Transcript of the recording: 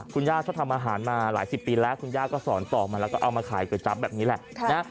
คุณย่าชอบทำอาหารมาหลายสิบปีแล้วคุณย่าก็สอนต่อมาแล้วก็เอามาขายก๋วยจั๊บแบบนี้แหละนะ